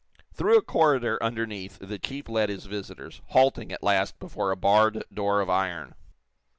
Through a corridor underneath the chief led his visitors, halting, at last, before a barred door of iron.